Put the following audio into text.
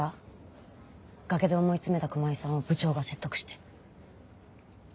崖で思い詰めた熊井さんを部長が説得して。